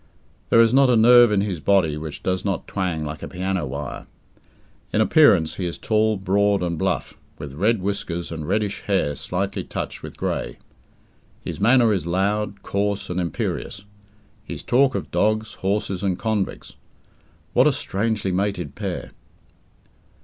There is not a nerve in his body which does not twang like a piano wire. In appearance, he is tall, broad, and bluff, with red whiskers and reddish hair slightly touched with grey. His manner is loud, coarse, and imperious; his talk of dogs, horses, and convicts. What a strangely mated pair!